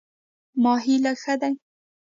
ماهی لږ ښه دی.